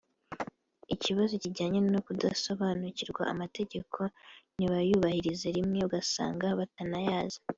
ikibazo kijyanye no kudasobanukirwa amategeko ntibayuhahirize rimwe ugasanga batanayazi